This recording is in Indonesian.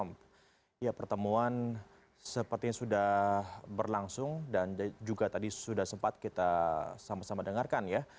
ya pertemuan sepertinya sudah berlangsung dan juga tadi sudah sempat kita sama sama dengarkan ya